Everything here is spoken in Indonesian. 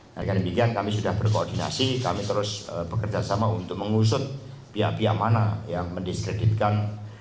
dan dengan demikian kami sudah berkoordinasi kami terus bekerja sama untuk mengusut pihak pihak mana yang mendiskreditkan